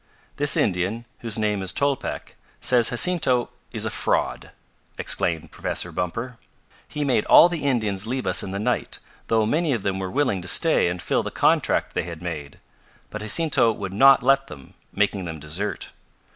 "This Indian, whose name is Tolpec, says Jacinto is a fraud," exclaimed Professor Bumper. "He made all the Indians leave us in the night, though many of them were willing to stay and fill the contract they had made. But Jacinto would not let them, making them desert.